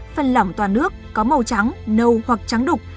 phân lỏng toàn nước có màu trắng nâu hoặc trắng đục